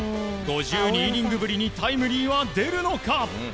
５２イニングぶりにタイムリーは出るのか。